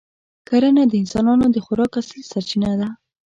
کرنه د انسانانو د خوراک اصلي سرچینه ده.